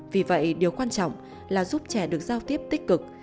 vì vậy điều quan trọng là giúp trẻ được giao tiếp tích cực